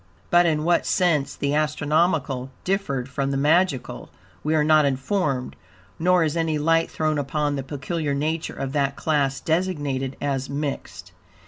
But in what sense the "astronomical" differed from the "magical" we are not informed, nor is any light thrown upon the peculiar nature of that class designated as "mixed."